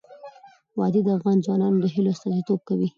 وادي د افغان ځوانانو د هیلو استازیتوب کوي.